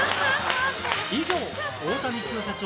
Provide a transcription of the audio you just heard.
以上、太田光代社長